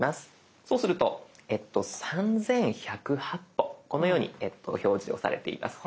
そうすると３，１０８歩このように表示をされています。